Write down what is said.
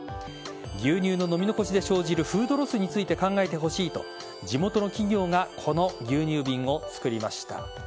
牛乳の飲み残しで生じるフードロスについて考えてほしいと地元の企業がこの牛乳瓶を作りました。